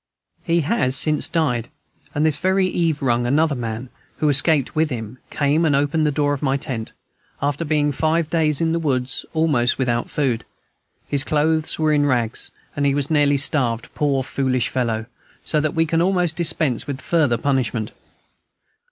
He has since died; and this very eve rung another man, who escaped with him, came and opened the door of my tent, after being five days in the woods, almost without food. His clothes were in rags, and he was nearly starved, poor foolish fellow, so that we can almost dispense with further punishment.